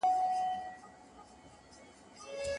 فردي ملکیت انسان ته د کار انګیزه ورکوي.